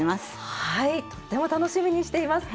はいとっても楽しみにしています。